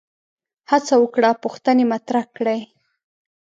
هڅه وکړه پوښتنې مطرح کړي